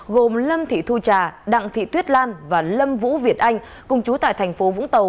gồm lâm thị thu trà đặng thị tuyết lan và lâm vũ việt anh cùng chú tại thành phố vũng tàu